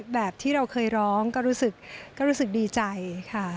แบบที่เราเคยร้องก็รู้สึกดีใจค่ะ